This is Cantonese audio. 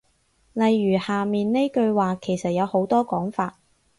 例如下面呢句話其實有好多講法